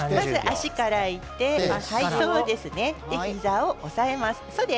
足からいって膝を押さえます。